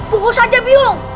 pukul saja biong